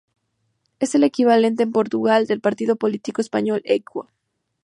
Es el equivalente en Portugal del partido político español Equo.